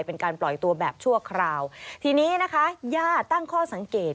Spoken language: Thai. เป็นการปล่อยตัวแบบชั่วคราวทีนี้นะคะญาติตั้งข้อสังเกต